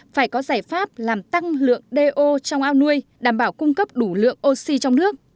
phải có giải pháp làm tăng lượng do trong ao nuôi đảm bảo cung cấp đủ lượng oxy trong nước